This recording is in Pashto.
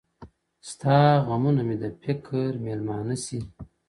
ستا غمونه مي د فكر مېلمانه سي ـ